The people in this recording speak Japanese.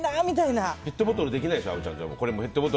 アブはペットボトルはできないでしょ？